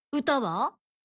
歌は？